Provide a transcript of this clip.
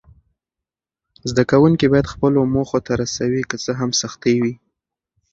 زده کوونکي باید خپلو موخو ته رسوي، که څه هم سختۍ وي.